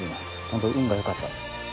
本当に運が良かった。